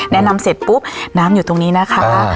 แนะนำเสร็จปุ๊บน้ำอยู่ตรงนี้นะคะ